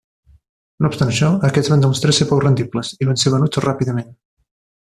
No obstant això, aquests van demostrar ser poc rendibles i van ser venuts ràpidament.